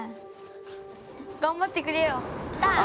頑張ってくれよ。来た！